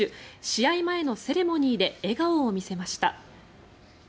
試合前のセレモニーで笑顔を見せました。